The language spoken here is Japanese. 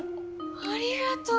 ありがとう！